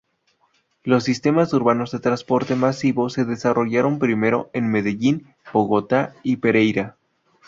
Los sistemas urbanos de transporte masivo se desarrollaron primero en Medellín, Bogotá y Pereira.